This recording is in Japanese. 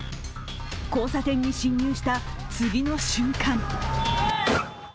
交差点に進入した次の瞬間